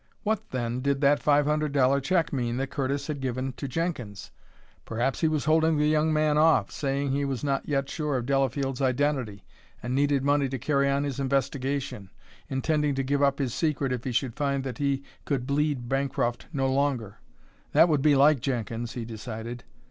What, then, did that five hundred dollar check mean that Curtis had given to Jenkins? Perhaps he was holding the young man off, saying he was not yet sure of Delafield's identity and needed money to carry on his investigation, intending to give up his secret if he should find that he could bleed Bancroft no longer. That would be like Jenkins, he decided.